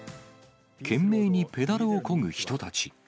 懸命にペダルをこぐ人たち。